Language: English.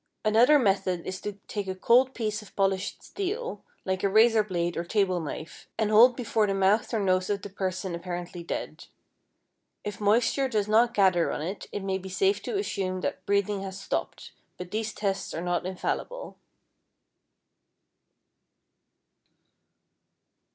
Another method is to take a cold piece of polished steel, like a razor blade or table knife, and hold before the mouth or nose of the person apparently dead. If moisture does not gather on it, it may be safe to assume that breathing has stopped; but these tests are not infallible.